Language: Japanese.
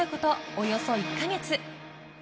およそ１か月。